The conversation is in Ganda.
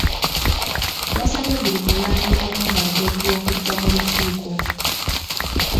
Yasabye buli mulangira n’omumbejja okujja mu lukiiko.